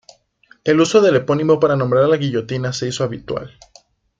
El uso del epónimo para nombrar a la guillotina se hizo habitual.